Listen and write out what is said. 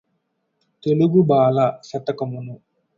తెలుగుబాల శతకమును